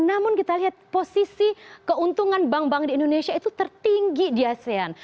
namun kita lihat posisi keuntungan bank bank di indonesia itu tertinggi di asean